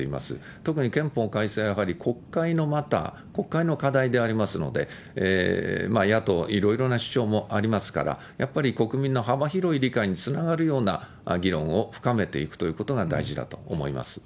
特に憲法改正はやはり国会のマター、課題でありますので、野党、いろいろな主張もありますから、やっぱり国民の幅広い理解につながるような議論を深めていくということが大事だと思います。